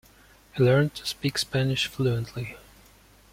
He learned to speak Spanish fluently.